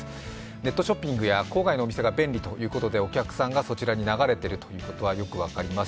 ネットショッピングや郊外のお店が便利ということでお客さんがそちらに流れているということはよく分かります。